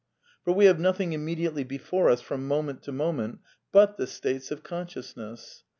For we have nothing im mediately before us from moment to moment but the states of consciousness.